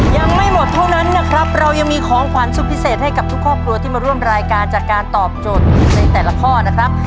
ยังไม่หมดเท่านั้นนะครับเรายังมีของขวัญสุดพิเศษให้กับทุกครอบครัวที่มาร่วมรายการจากการตอบโจทย์ในแต่ละข้อนะครับ